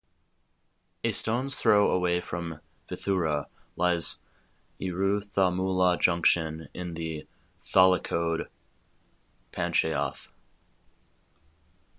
A stones throw away from Vithura lies Iruthalamoola Junction in the Tholicode Panchayath.